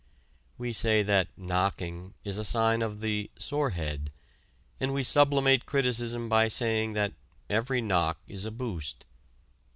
We say that "knocking" is a sign of the "sorehead" and we sublimate criticism by saying that "every knock is a boost."